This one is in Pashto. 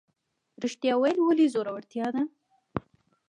ریښتیا ویل ولې زړورتیا ده؟